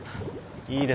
いいですね。